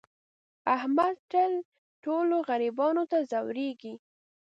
احمد تل ټولو غریبانو ته ځورېږي.